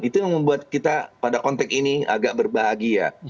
itu yang membuat kita pada konteks ini agak berbahagia